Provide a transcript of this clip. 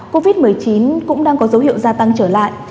covid một mươi chín cũng đang có dấu hiệu gia tăng trở lại